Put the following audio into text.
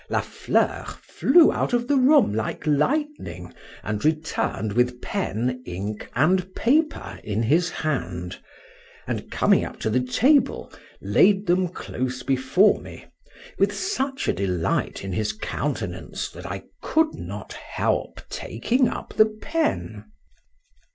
La Fleur flew out of the room like lightning, and returned with pen, ink, and paper, in his hand; and, coming up to the table, laid them close before me, with such a delight in his countenance, that I could not help taking up the pen.